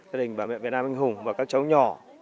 gia đình bà mẹ việt nam anh hùng và các cháu nhỏ